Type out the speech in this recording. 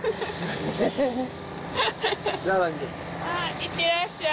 いってらっしゃい。